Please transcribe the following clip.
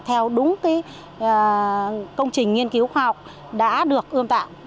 theo đúng công trình nghiên cứu khoa học đã được ưu tài